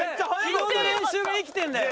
昨日の練習が生きてるんだよ。